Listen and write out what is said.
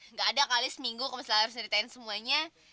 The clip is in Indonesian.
nggak ada kali seminggu kemasalahan harus ceritain semuanya